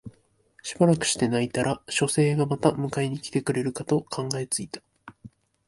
しばらくして泣いたら書生がまた迎えに来てくれるかと考え付いた